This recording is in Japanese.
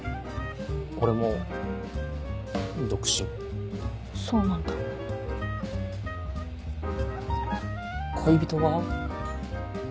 俺も独身そうなんだ恋人は？